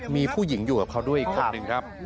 มีผู้หญิงอยู่กับเขาด้วยอีกคนนึงครับ